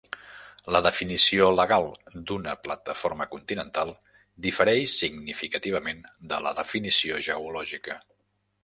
La definició legal d'una plataforma continental difereix significativament de la definició geològica.